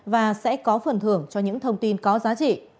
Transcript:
và sẽ có phần thưởng cho những thông tin có giá trị